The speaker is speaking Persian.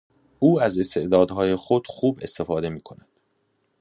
او از استعدادهای خود خوب استفاده میکند.